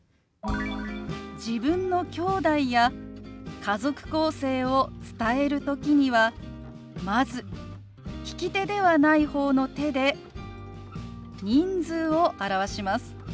自分のきょうだいや家族構成を伝える時にはまず利き手ではない方の手で人数を表します。